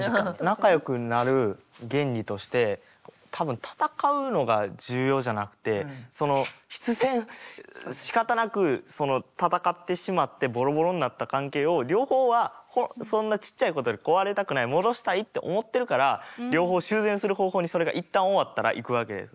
仲よくなる原理として多分戦うのが重要じゃなくてその必然しかたなく戦ってしまってボロボロになった関係を両方はそんなちっちゃいことで壊れたくない戻したいって思ってるから両方修繕する方法にそれが一旦終わったら行くわけです。